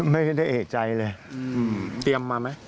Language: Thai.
ไม่ได้เอกใจเลย